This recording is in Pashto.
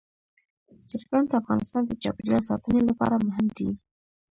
چرګان د افغانستان د چاپیریال ساتنې لپاره مهم دي.